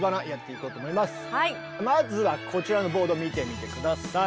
まずはこちらのボード見てみて下さい。